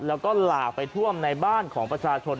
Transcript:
แล้วก็หลากไปท่วมในบ้านของประชาชน